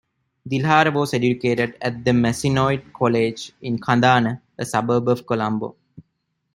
Dilhara was educated at De Mazenod College in Kandana, a suburb of Colombo.